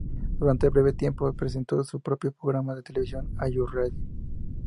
Durante breve tiempo presentó su propio programa de televisión, Ayu ready?